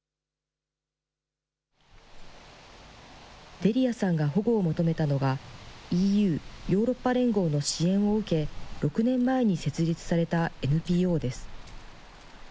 デリアさんが保護を求めたのが、ＥＵ・ヨーロッパ連合の支援を受け、６年前に設立されたＮＰＯです。